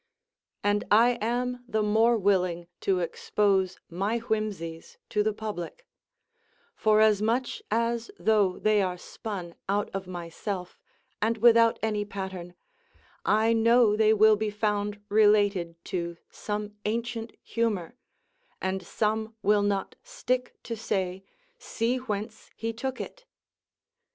And I am the more willing to expose my whimsies to the public; forasmuch as, though they are spun out of myself, and without any pattern, I know they will be found related to some ancient humour, and some will not stick to say, "See whence he took it!"